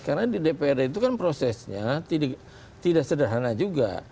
karena di dprd itu kan prosesnya tidak sederhana juga